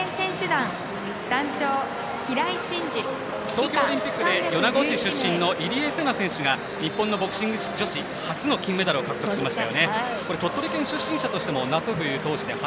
東京オリンピックで米子市出身の入江聖奈選手が日本のボクシング女子初の金メダルを獲得しました。